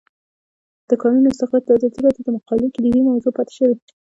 د کانونو استخراج د ازادي راډیو د مقالو کلیدي موضوع پاتې شوی.